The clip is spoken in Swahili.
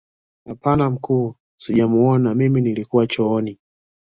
Hapana mkuu sijamuona mimi nilikuwa chooni